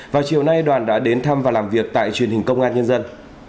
vào chiều nay đoàn đã đến thăm và làm việc tại truyền hình công an nhân dân